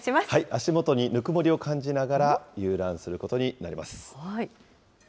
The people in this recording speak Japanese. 足元にぬくもりを感じながら遊覧することになります。